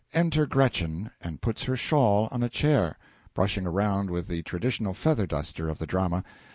Enter GRETCHEN, and puts her shawl on a chair. Brushing around with the traditional feather duster of the drama.